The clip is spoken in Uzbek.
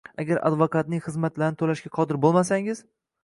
«Agar advokatning xizmatlarini to‘lashga qodir bo‘lmasangiz